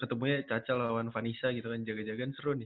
ketemunya caca lawan vanessa gitu kan jaga jaga seru nih